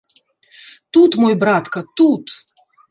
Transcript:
Тут, мой братка, тут!